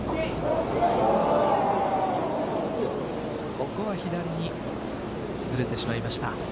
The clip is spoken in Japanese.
ここは左にずれてしまいました。